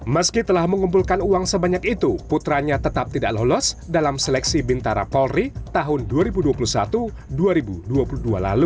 meski telah mengumpulkan uang sebanyak itu putranya tetap tidak lolos dalam seleksi bintara polri tahun dua ribu dua puluh satu dua ribu dua puluh dua lalu